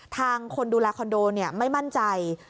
คนดูแลคอนโดไม่มั่นใจ